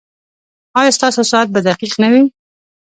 ایا ستاسو ساعت به دقیق نه وي؟